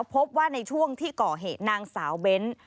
พบว่าในช่วงที่ก่อเหตุนางสาวเบ้น